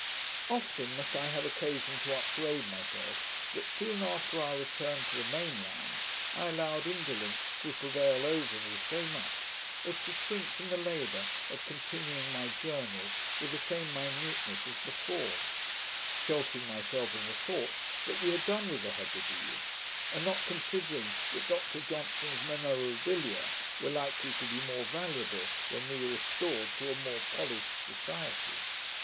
Often must I have occasion to upbraid myself, that soon after our return to the main land, I allowed indolence to prevail over me so much, as to shrink from the labour of continuing my Journal with the same minuteness as before; sheltering myself in the thought, that we had done with the Hebrides; and not considering, that Dr Johnson's Memorabilia were likely to be more valuable when we were restored to a more polished society.